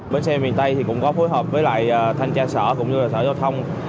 bến xe miền tây thì cũng có phối hợp với lại thanh tra sở cũng như là sở giao thông